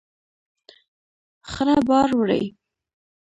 خره بار وړي.